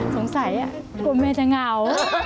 สงสัยกลัวแม่จะเหงา